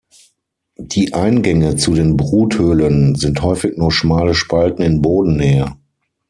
Die Eingänge zu den Bruthöhlen sind häufig nur schmale Spalten in Bodennähe.